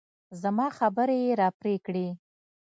زما خبرې يې راپرې کړې.